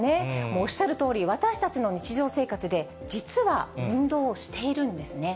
おっしゃるとおり、私たちの日常生活で、実は運動をしているんですね。